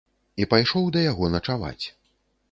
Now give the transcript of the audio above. І пайшоў да яго начаваць.